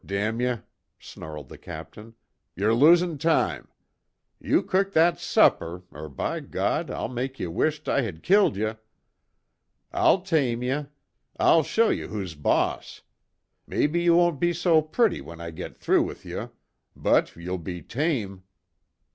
Damn ye!" snarled the Captain, "yer losin' time! You cook that supper, er by God I'll make ye wisht I had killed ye! I'll tame ye! I'll show ye who's boss! Mebbe you won't be so pretty when I git through with ye but ye'll be tame!"